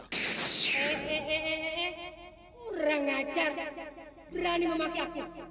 hehehe kurang ngacar berani memakai eyang